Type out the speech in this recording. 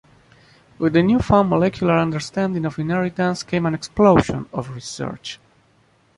With the newfound molecular understanding of inheritance came an explosion of research.